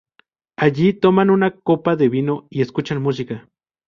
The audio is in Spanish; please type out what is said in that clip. Allí, toman una copa de vino y escuchan música.